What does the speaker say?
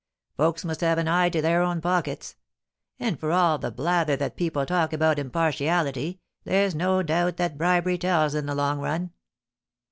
Folks must have an eye to their own pockets ; and for all the blather that people talk about impartiality, there's no doubt that bribery tells in the long run.'